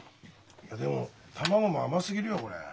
いやでも卵も甘すぎるよこれ。